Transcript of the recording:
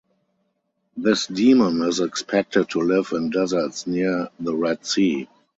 This demon is expected to live in deserts near the Red Sea.